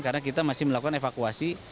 karena kita masih melakukan evakuasi